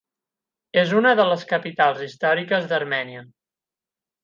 És una de les capitals històriques d'Armènia.